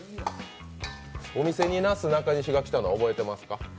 お店になすなかにしが来たのは覚えてますか？